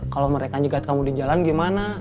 kalau mereka nyegat kamu di jalan gimana